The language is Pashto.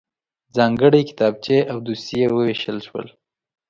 ځانګړی کتابچې او دوسيې وویشل شول.